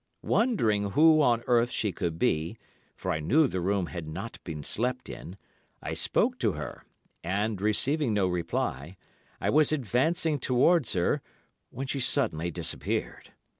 Wondering who on earth she could be, for I knew the room had not been slept in, I spoke to her, and receiving no reply, I was advancing towards her, when she suddenly disappeared.